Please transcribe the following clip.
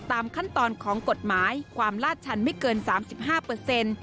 ตามขั้นตอนของกฎหมายความลาดชันไม่เกิน๓๕